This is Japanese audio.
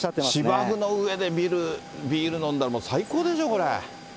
芝生の上でビール飲んだら、最高でしょ、これ。